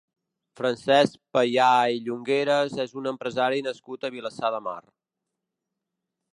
Francesc Payà i Llongueras és un empresari nascut a Vilassar de Mar.